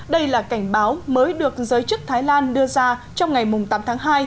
đây là cảnh báo mới được giới chức thái lan đưa ra trong ngày tám tháng hai